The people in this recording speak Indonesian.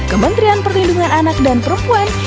kementerian pemberdayaan perempuan dan perlindungan anak